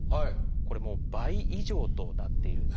これもう倍以上となっているんです。